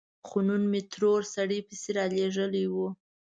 خو نن مې ترور سړی پسې رالېږلی و.